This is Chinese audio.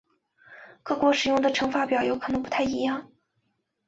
各国使用的乘法表有可能不太一样。